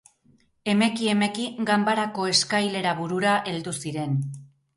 Emeki-emeki ganbarako eskaileraburura heldu ziren.